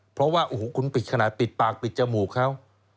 เพราะว่าโอ้โหคุณปิดขนาดปิดปากปิดจมูกเขา